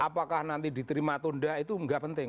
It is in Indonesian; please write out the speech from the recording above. apakah nanti diterima tunda itu nggak penting